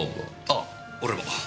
あっ俺も。